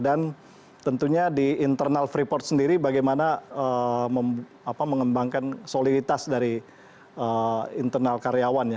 dan tentunya di internal freeport sendiri bagaimana mengembangkan soliditas dari internal karyawan ya